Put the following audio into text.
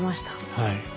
はい。